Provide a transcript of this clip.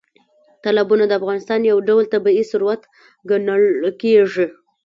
تالابونه د افغانستان یو ډول طبیعي ثروت ګڼل کېږي.